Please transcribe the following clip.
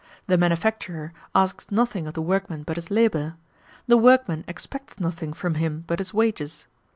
The manufacturer asks nothing of the workman but his labor; the workman expects nothing from him but his wages.